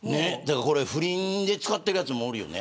不倫で使ってるやつもいるよね。